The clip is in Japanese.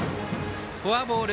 フォアボール。